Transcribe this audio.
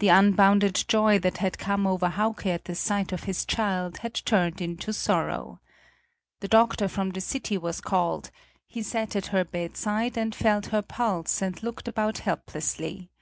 The unbounded joy that had come over Hauke at the sight of his child had turned to sorrow. The doctor from the city was called, he sat at her bedside and felt her pulse and looked about helplessly.